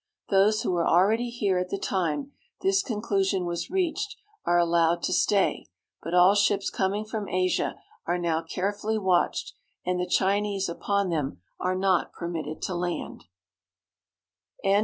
Those who were already here at the time this conclusion was reached are allowed to stay ; but all ships coming from Asia are now carefully watched, and the Chinese upon them are not permitted to land.